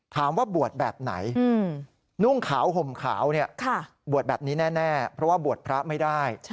ถามว่าบวชแบบไหนนุ่งขาวห่มขาวบวชแบบนี้แน่เพราะว่าบวชพระไม่ได้